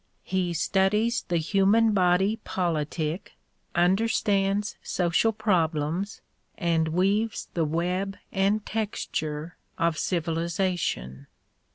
He studies the human body politic, understands social problems and weaves the web and texture of civilization.